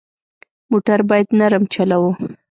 موټر باید نرم چلوه.